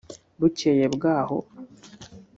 Bukeye bw’aho